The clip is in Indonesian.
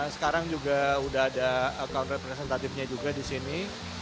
sekarang juga udah ada account representatifnya juga di sini